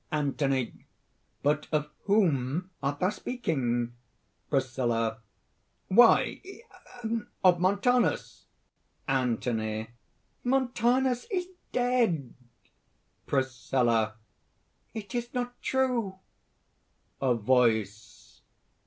ANTHONY. "But of whom art thou speaking?" PRISCILLA. "Why, of Montanus!" ANTHONY. "Montanus is dead!" PRISCILLA. "It is not true!" A VOICE.